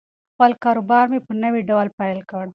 خپل کاروبار مې په نوي ډول پیل کړ.